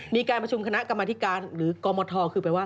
มีการประชุมคณะกรรมธิการหรือกรมทคือแปลว่า